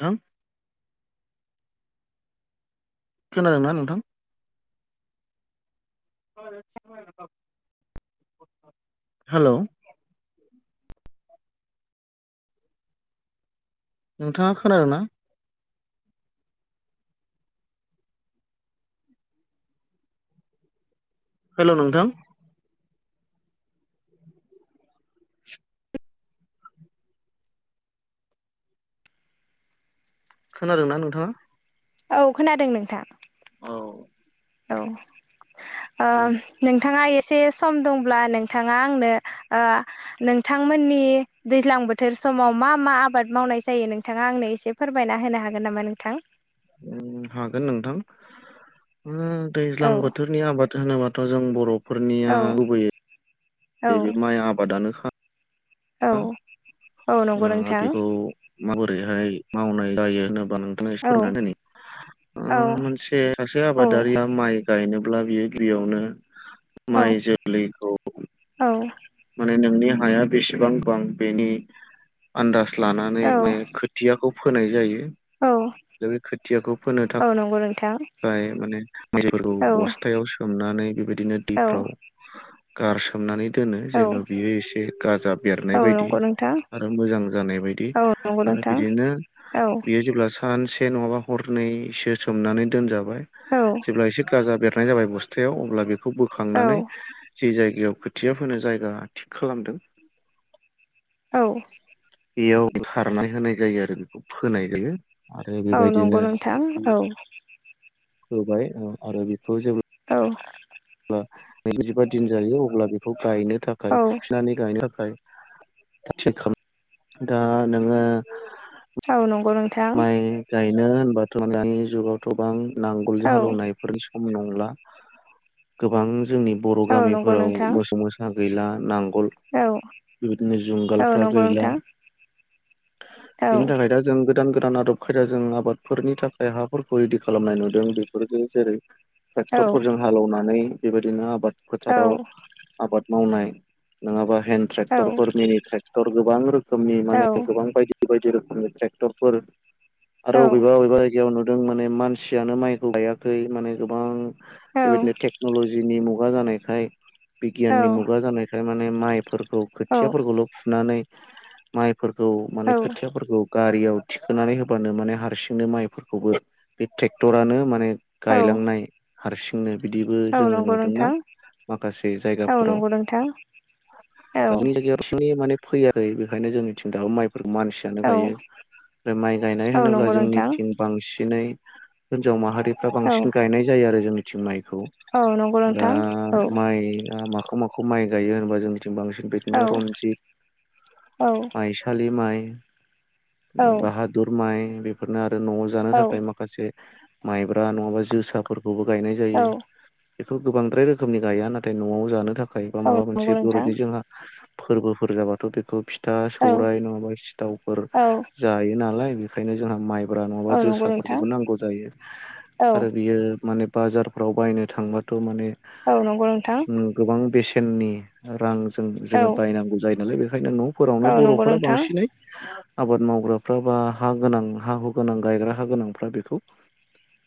नोंथां। खोनादों ना नोंथां? हेलौ। नोंथाङा खोनादों ना? हेलौ नोंथां। खोनादोंना नोंथाङा औ खोनादों नोंथां। औ। औ ओ दे नोंथाङा ए से सम दंब्ला नोंथाङा आंनो ओ नोंथांमोननि दैज्लां बोथोर समाव मा मा आबाद मावनाय जायो नोंथाङा आंनो एसे फोरमायना होनो हागोन नामा नोंथां? हागोन नोंथां उम दैज्लां औ बोथोरनि आबाद होनोबा थ' जों बर'फोरनिया औ गुबैयै औ नैबे माइ आबादानोखा। औ खा औ नंगौ आरो नोंथां बेखौ माबोरैहाय मावनाय जायो होनो बा नोंथांनो एसे औ फोरमायना होनि औ ओ मोनसे सासे औ आबादारिया माइ गायनो ब्ला बियो गिबियावनो माइ जोलैखौ औ-औ। माने नोंनि हाया बेसेबां गोबां बेनि आन्दास लानानै औ माने खोथियाखौ फोनाय जायो। औ दा बे खोथियाखौ फोनो था औ नंगौ नोंथां खाय माने मायज्लिफोरखौ औ बस्थायाव सोमनानै बेबायदिनो औ दैफ्राव। गारसोमनानै दोनो औ जेन' बियो एसे गाजा बेरनाय औ बायदि। नंगौ नोंथां आरो मोजां जानाय बायदि औ नंगौ आरो नोंथां बिदिनो औ बियो जेब्ला सानसे से नङाबा हरनैसो सोमनानै दोनजाबाय औ जेब्ला एसे गाजा बेर नाय जाबाय बस्थायाव अब्ला बेखौ औ बोखांनानै जे जायगायाव खोथिया फोनो जा यगा थिग खालामदों। औ। बेयाव खारनाय होनाय जायो आरो बेखौ फोनाय जायो। आरो औ नंगौ बेबायदिनो नोंथां औ। होबाय आरो बेखौ जे औ। नैजिबा दिन जायो अब्ला बेखौ गायनो थाखाय औ फुफिनानै गायनो थाखाय थिग खालाम दा नोङो औ नं माइ गायनो होनबाथ' दानि जुगावथ' बां औ नांगोलजों हालेवनायफोरनि सम नंला गोबां जोंनि बर' औ नंगौ गामिफोराव नोंथां मोसौ-मोसा गैला नां गल औ बेबायदिनो औ जुंगालफ्रा नंगौ गैला। नोंथां औ बेनि थाखाय दा जों गो दान गोदान आदब खायदाजों आबादफोरनि थाखाय हाफोरखौ रेडि खालामनाय नुदों बेफोरजों जेरै औ ट्रेक्टरफोरजों हालेवनानै बेबायदिनो आबाद औ फोथाराव आबाद मावनाय नोङाबा हेन औ ट्रेक्टरफोर मिनि ट्रेक्टर गोबां रोखोमनि औ माने गोबां बायदि बायदि रोखोमनि ट्रेक्टर फोर औ आरो अबेबा-अबेबा जायगायाव नु दों माने मानसियानो माइखौ गायाखै माने गोबां बेबायदिनो टेकनलजिनि मु गा जानायखाय बिगियाननि मुगा जानायखाय माने माइफोरखौ खोथियाफोरखौल' फुनानै। माइफोरखौ माने खोथियाफोरखौ गारियाव थिखोनानै होबानो माने हारसिंनो माइफोरखौबो बे ट्रेक्टरानो माने औ गायलांनाय हारसिंनो। बिदिबो औ जोङो नंगौ नुदोंना नोंथां माखासे औ जायगाफोराव। नंगौ नोंथां [unintelligible] औ माने फैयाखै बेखायनो जोंनिथिं दाबो माइफोरखौ मानसियानो औ गायो। माय गायनाय औ होनोब्ला नंगौ नोंथां जोंनिथिं बांसिनै हिनजाव माहारिफ्रा औ बांसिनै गायनाय जायो आरो जोंनि खौ औ नंगौ दा नोंथां औ माइ आ माखौ मा खौ माइ गायो होनबा जोंनिथिं बांसिन औ बिदिनो रनजित, औ माइसालि माइ औ बाहादुर माइ बेफोरनो आरो न'आव जानो औ थाखाय माखासे माइब्रा नङाबा जोसाफोरखौबो गायनाय औ जायो। बेखौ गोबांद्राय रोखोमनि गाया नाथाय न'आव जानो थाखाय बा औ माबा मोनसे नंगौ नोंथां बर'नि जोंहा फोरबोफोर जाबाथ' बेखौ फिथा औ सौराइ नङाबा सिथावफोर औ जायो नालाय बेखायनो जोंहा माइ ब्रा नङाबा औ नंगौ नोंथां जोसाफोरखौबो नांगौ जायो औ आरो बियो माने बाजारफ्राव बायनो थांबाथ' माने औ नंगौ नोंथां सेननि रांजों जोङो औ बायनांगौ जायो नालाय बेखायनो न' फोरावनो औ नंगौ बर'फोरा नोंथां बांसिनै आबाद माव ग्राफ्रा बा हा गोनां हा-हु गोनां गायग्रा हा गोनांफ्रा बेखौ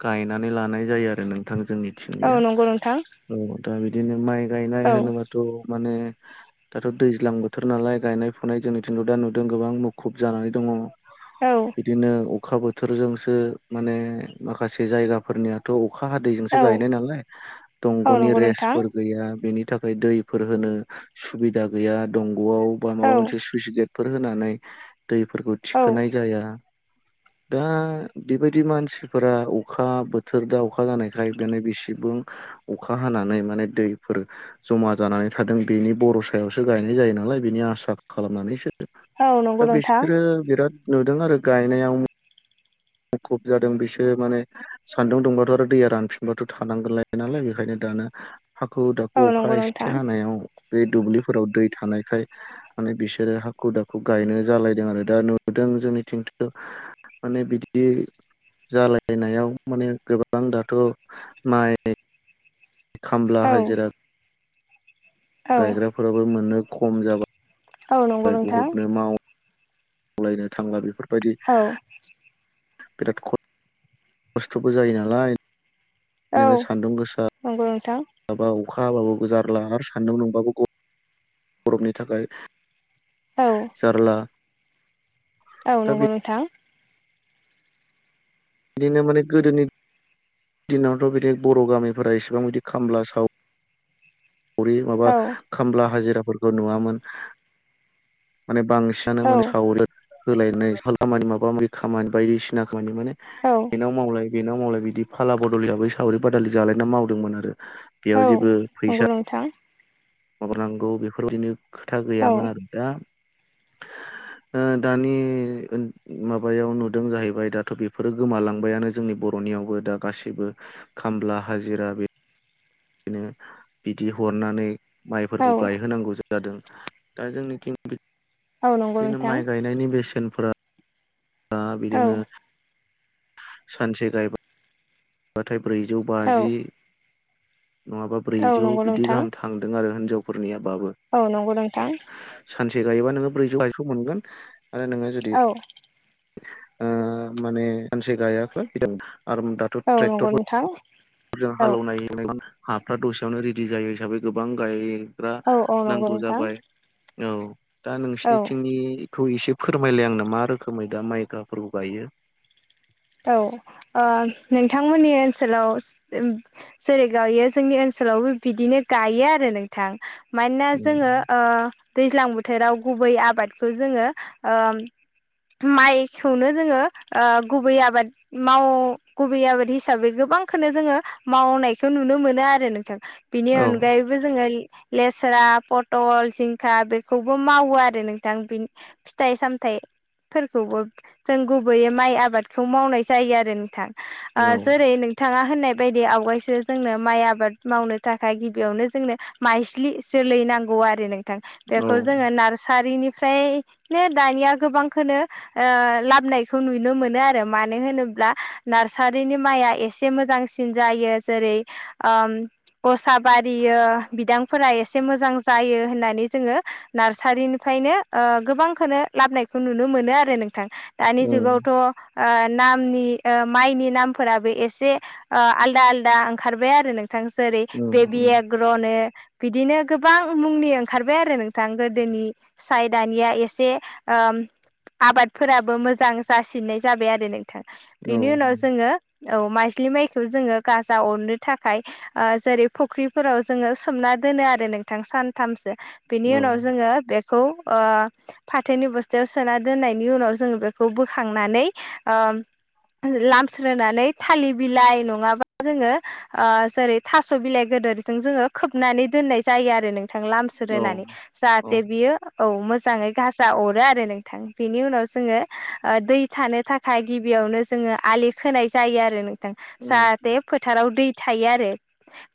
गायनानै लानाय जायो आरो नोंथां जोंनिथिंनिया औ नंगौ नोंथां औ दा बिदिनो माइ गायनाय औ होनोबाथ' माने दाथ' दैज्लां बोथोर नालाय गायनाय फुनाय जोंनिथिंथ' दा नुदों गोबां मुखुब जानानै दङ। औ बिदिनो अखा बोथोरजोंसो माने माखासे जायगाफोरनियाथ' अखा हादै औ जोंसो गायनाय नालाय औ दंग'नि नंगौ नोंथां रेसफोर गैया बिनि थाखाय दैफोर होनो सुबिदा गैया दंग'आव बा औ माबा मोनसे सुइस गेटफोर होनानै दैफोरखौ औ थिखोनाय जाया। [inaudible] दा बेबायदि मानसिफोरा अखा बोथोर दा अखा जानायखाय देनै बेसेबां अखा हानानै माने दैफोर जमा जानानै थादों बेनि बर'सायावसो गायनाय जायो नालाय। बिनि आसा खालामनानैसो। औ दा नंगौ नोंथां बिसोरो बिराद नुदों आरो गायनायाव मुखुब जादों बिसोर माने सान्दुं दुंबाथ' आरो दैया रानफिनबाथ' थानांगोनलाय नालाय बेखायनो दा दानो हाखु-दाखु औ अखा नंगौ एसे नोंथां हानायाव बे दुब्लिफोराव दै थानायखाय माने बिसोरो हाखु- दाखु गायनो जालायदों आरो दा नु दों जोंनिथिंथ' माने बि दि जालायनायाव माने गोबां दाथ' माइ खामला, औ हाजिरा औ गायग्राफोराबो मोननो खम जाबाय। औ नंगौ नोंथां मोनलायनो थांला बेफोरबायदि औ बिराद खस्थ'बो जायो नालाय औ नोङो सान्दुं नंगौ नोंथां गोसाबाव अखा हाबाबो जारला आरो सानदों नोंबाबो गरमनि थाखाय औ जारला औ दा नंगौ नोंथां। बेनो माने गोदोनि दिनावथ' बिदि बर' गामिफोरा एसेबां बिदि खामला साव सावरि माबा औ खामला हाजिराफोरखौ नुवामोन माने बांसिनानो औ माने सावरो होलायनाय माबा मबि खामानि बायदिसिना मानि माने औ बेनाव मावलाय बेनाव मावलाय बिदि फाला बदल हिसाबै सावरि बादालि जालायना मावदोंमोन आरो। बेयाव जेबो फैसा नंगौ नोंथां माबानांगौ बेफोरबायदिनो खोथा औ गैयामोन आरो दा [inaudible] ओ दानि औन माबायाव नुदों जाहैबाय दाथ' बेफोरो गोमालांबायानो जोंनि बर'नियावबो दा गासैबो खामला हाजिरा बे बिनो बिदि हरनानै माइफोरखौ औ गायहोनांगौ जायो। जादों दा जोंनिखि औ नंगौ बिदिनो नोंथां माइ गायनायनि बेसेनफोरा दा बिदिनो औ सानसे गायबा नाथाय ब्रैजौ बाजि औ नङाबा औ ब्रैजौ नंगौ बिदि नोंथां गाहाम थांदों आरो हिनजावफोरनिया औ नंगौ नोंथां। सानसे गायोबा नोङो ब्रैजौ आाय मोनगोन आरो नोङो जुदि औ ओ माने सानसे गायाबा आरो दाथ' औ नंगौ नोंथां ट्रेक्टरों हालेवनायनाय हाफ्रा दसेयावनो रेडि जायो हिसाबै गोबां औ गायग्रा औ औ नंगौ नांगौ नोंथां जाबाय। औ दा औ नोंसिनिथिंनिखौ एसे फोरमायलाय आंनो मा रोखोम? मैदा माइ गाहफोरखौ गायो। औ ओ नोंथांमोननि ओनसोलाव जेरै गायो जोंनि ओनसोल ओनसोलावबो बिदिनो गायो आरो नोंथां मानोना जोङो ओ दैज्लां बोथोराव गुबै आबादखौ जोङो ओ माइखौनो जोङो ओ गुबै आबाद माव गुबै आबाद हिसाबै गोबांखौनो जोङो मावनायखौ नुनो मोनो आरो। आरो नोंथां बिनि औ अनगायैबो जोङो लेस्रा पथल जिंखा बेखौबो मावो आरो नोंथां फिथाइ सामथायाइ फोरखौबो जों गुबैयै माइ आबाद खौ मावनाय जायो आरो नोंथां ओ औ जेरै नोंथाङा होननाय बायदि आवगायसो जोंनो माइ आबाद मावनो थाखाय गिबियावनो जोंनो माइस्लि जोलैनो नांगौ आरो नोंथां औ बेखौ जोंडँऔ नारसारिनिफ्राय ओमफ्रायनो दानिया गोबांखौनो ओ लाबोनायखौ नुनो मोनो आरो मानो होनोब्ला नारसारिनि माइआ एसे मोजांसिन जायो जेरै गसा बारियो बिदांफोरा एसे मोजां जायो होननानै जोङो नारसा ारिनिफ्रायनो गोबांखौनो लाबनायखौ नुनो मोनो आरो नोंथां दानि उम जुगावथ' ओ नामनि औ माइनि नामफोराबो एसे आलदा आलदा ओंखारबाय आरो नोंथां। थांसओै उम बेबि उम एग्र'नो बिदिनो गोबां मुंनि ओंखारबाय आरो नोंथां गोदोनि साय दानिया एसे ओम आबादफोराबो मोजां जासिननाय जाबाय आरो नोंथां औ बेनि उनाव जोङो औ माइज्लि माइखौ जोङो गाजा अरनो थाखाय ओ जेरै फुख्रिफोराव जोङो सोमना दोनो आरो नोंथां सानथामसो बिनि औ उनाव जोङो खौ ओ फाथोनि बस्थायाव सोना दोननायनि उनाव जोङो बेखौ बोखांनानै ओम लामस्रोनानै थालिर बिलाइ नङाबा जोङो ओ जेरै थास' बिलाइ गद बेदरजों जोङो खोबनानै दोननाय जायो आरो नोंथां औ लामसोरानै औ जाहाथे बियो औ मोजाङै गाजा अरो आरो नोंथां बेनि उनाव जोङो ओ दै थानो थाखाय गिबियावनो जोङो आलि खोनाय जायो आरो नोंथां उम जाहाथे फोथाराव दै थायो आरो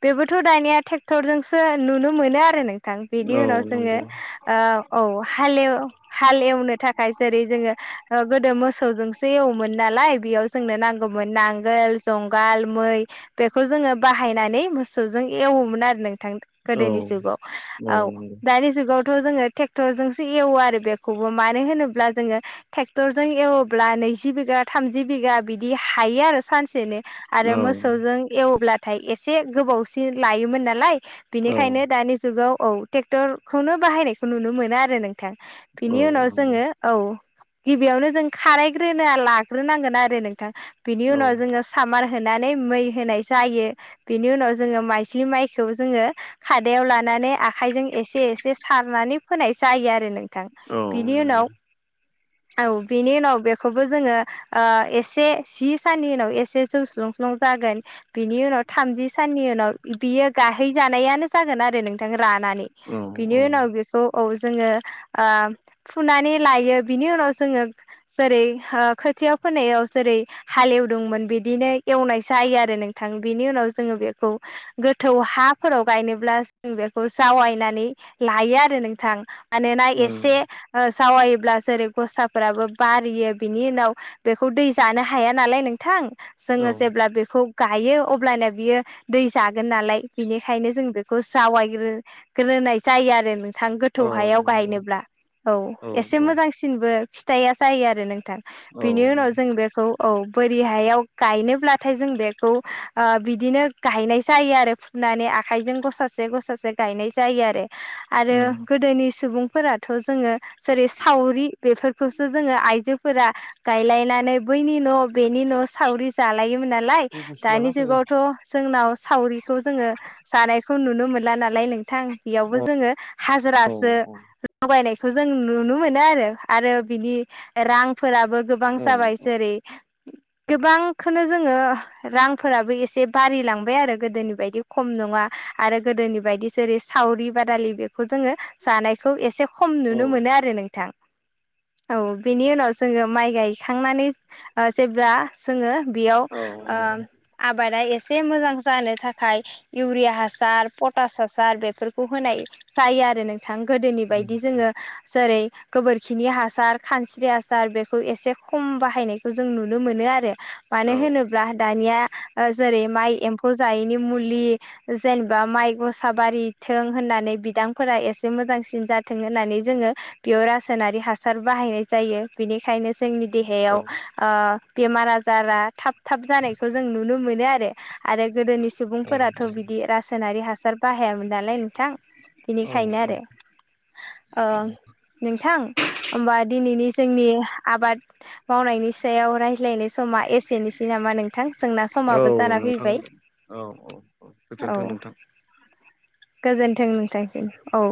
बेबोथ' दानिया ट्रेक्टरजोंसो नुनो मोनो आरो नों थां बिनि औ उनाव जोङो नंगौ औ हालेव हालेवनो थाखाय जेरै जोङो गोदो मोसौजों दैयावमोन नालाय बेयाव जोंनो नांगौमोन नांगोल जंगाल मै बेखौ जो बायहाय नानै मोसौजों एवोमोन आरो नोंथां औ गोदोनि जुगाव औ दानि जुगाव थ' जोङो ट्रेक्टरजोंसो एवो आरो बेखौबो मानो होनोब्ला जोङो ट्रेक्टरजों एवोब्ला नै जि बिघा थामजि बिघा बिदि हायो आरो सानसेनो औ आरो मोसौजों एवब्ला नाथाय एसे गोबावसिन लायोमोन नालाय औ बिनिखायनो दानि जुगाव औ ट्रेक्टरखौनो बाहायनायखौ नुनो मोनो आरो नोंथां औ बिनि उनाव नंगौ जोङो औ गिबियावनो जों खारायग्रोना लाग्रोनांगोन आरो नोंथां बिनि औ उनाव जोङो सामार होनायनै मै होनाय जायो बेनि उनाव जो माइज्लि माइखौ जोङो खादायाव लानानै माने आखायजों एसे एसे सारनानै फोनाय जायो आरो नों थां औ बिनि नंगौ उनाव औ बिनि उनाव बे खौबो जोङो ओ एसे जि साननि उनाव एसे जौ सुलुं स्लुं जागोन बिनि उनाव थामजि साननि उनाव बियो गाहैजानायानो जागोन आरो नोंथां। रानानै औ बिनि औ उनाव बिखौ औ जोङो ओ फुनानै लायो बिनि उनाव जोङो जेरै खोथिया फोनायाव जेरै हालेवदोंमोन बिदिनो एवनाय जायो आरो नोंथां। बेनि उनाव जोङो बेखौ गोथौ हाफोराव गायनोब्ला जों बेखौ जावायनानै लायो आरो नोंथां मानोना एसे उम जावायोब्ला जेरै गस्राफोराबो बारियो बिनि उनाव बेखौ दै जानो हाया नालाय नोंथां औ जोङो जेब्ला बेखौ गायो अब्लानो बियो दै जागोन नालाय बेनिखायनो जों बेखौ जावायग्रो नाय जायो आरो थां गोथौ औ हायाव नंगौ गायनोब्ला औ एसे मोजांसिनबो फिथाइआ जायो आरो नोंथां औ बिनि नंगौ उनाव जों बेखौ औ बोरि हायाव गायनोब्लाथाय जों बेखौ ओ बिदिनो गायनाय जायो आरो होननानै आखाइजों गसासे गसासे गायनाय जायो आरो आरो उम गोदोनि सुबुंफोराथ' जोङो जेरै सावरि बेफोरखौ आइजोफोरा गायलायनानै बैनि न' बेनि न' सावरि जालायो नालाय बुस्थु लाना दानि फैनो जुगावथ' जोंनाव सावरिखौ जोङो जानायखौ नुनो मोनो नालाय नोंथां औ औ जों नुनो मोनो आरो आरो बिनि रां फोराबो गोबां औ जाबाय जेरै गोबांखौनो जोङो रांफोराबो एसे बार लांबाय आरो गोदोनि बायदि खम नङा आरो गोदोनि बायदि बायदि जेरै सावरि बादालि बेखौ जोङो जानायखौ एसे खम औ नुनो मोनो आरो नोंथां औ बेनि उनाव जोङो माइ गायखांनानै ओ जेब्ला जोङो बेयाव औ ओ आबादा एसे एसे मोजां जानो थाखाय इउरिया हासार पटास हासार बेफोरखौ होनाय जायो आरो नों बिथां गोदोनि बायदि जोङो जेरै गोबोरखिनि हासार सार खानस्रि आसासार बेखौ एसे खम बाहायनायखौ जों नुनो मोनो आरो मानो होनोब्ला दानि या जेरै माइ एम्फौ जायैनि मुलि जेनबा माइ गसा बारि थे होननानै बिदांफोरा एसे मोजांसिन जाथों होननानै जोङो बेयाव रासनारि हासार हासार बाहायनाय जायो बेनिखायनो जोंनि देहायाव औ बेमार आजारा थाब थाब जानायखौ जों नुनो मोनो आरो आरो गोदोनि सुबुंफोराथ' बिदि रासायनारि हासार बाहाय जायामोन नालाय नोंथां बेनिखायनो औ आरो ओ नोंथां होमबा दिनैनि जोंनि आबाद मावनायनि सायावाय रायज्लायनाय समा एसेनोसै नामा नोंथां जोंना औ समाबो जाना नोंथां फैबाय औ औ औ गोजोनथों नोंथां गोजोन्थों नोंथांनिसिम औ